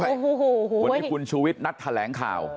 โอ้โหวันนี้คุณชูวิทย์นัดแถลงข่าว